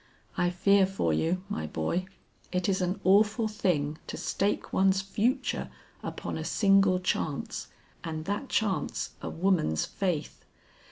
I fear for you my boy. It is an awful thing to stake one's future upon a single chance and that chance a woman's faith.